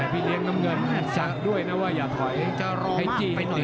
พี่เลี้ยงน้ำเงินอาจสั่งด้วยนะว่าอย่าถอยให้จีนหนึ่ง